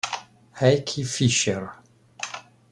Heike Fischer